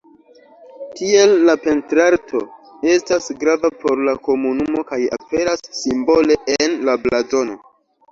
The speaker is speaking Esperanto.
Tiel la pentrarto estas grava por la komunumo kaj aperas simbole en la blazono.